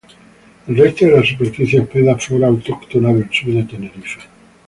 El resto de la superficie hospeda flora autóctona del Sur de Tenerife.